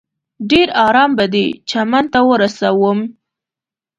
ډېر ارام به دې چمن ته ورسوم.